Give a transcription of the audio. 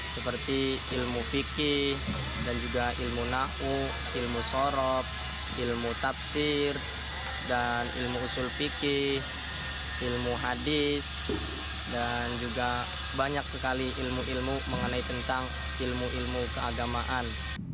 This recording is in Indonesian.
seperti ilmu fikih dan juga ilmu nahu ilmu sorob ilmu tafsir dan ilmu usul fikih ilmu hadis dan juga banyak sekali ilmu ilmu mengenai tentang ilmu ilmu keagamaan